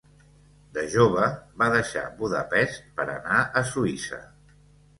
De jove, va deixar Budapest per anar a Suïssa.